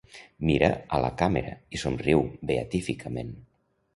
Mira a la càmera i somriu beatíficament.